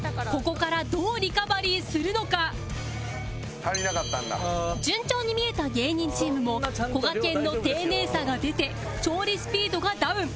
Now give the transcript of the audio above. ここから順調に見えた芸人チームもこがけんの丁寧さが出て調理スピードがダウン